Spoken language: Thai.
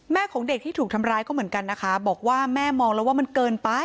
ของเด็กที่ถูกทำร้ายก็เหมือนกันนะคะบอกว่าแม่มองแล้วว่ามันเกินไป